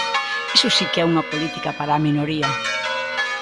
Iso si que é unha política para a minoría.